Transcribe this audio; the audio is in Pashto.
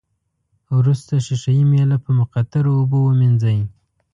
وروسته ښيښه یي میله په مقطرو اوبو ومینځئ.